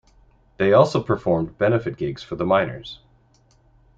They also performed benefit gigs for the miners.